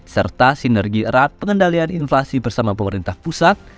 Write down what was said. serta sinergi erat pengendalian inflasi bersama pemerintah pusat